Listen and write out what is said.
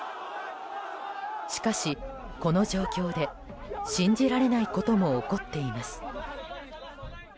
しかし、この状況で信じられないことも起こっています。